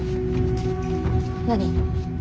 何。